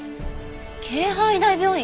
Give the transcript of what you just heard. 京阪医大病院！？